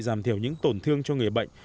giảm thiểu những tổn thương cho người bệnh